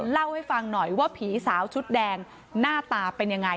เล่าให้ฟังหน่อยว่าผีสาวชุดแดงหน้าตาเป็นยังไง